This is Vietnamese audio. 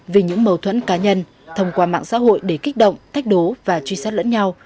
vì những mâu thuẫn cá nhân thông qua mạng xã hội để kích động tách đố và truy sát lẫn nhau